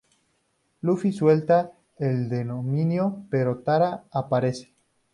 Buffy suelta al demonio pero Tara aparece.